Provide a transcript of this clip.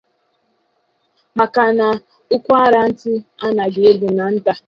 maka na ụkwaranta anaghị egbu na ntà.